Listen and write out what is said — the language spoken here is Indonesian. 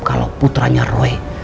kalau putranya roy